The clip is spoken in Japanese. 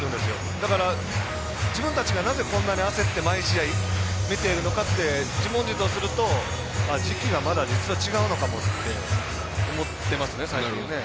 だから、自分たちがなぜ、こんなに焦って毎試合見ているのかって自問自答すると時期がまだ実は違うのかもって思ってますね、最近ね。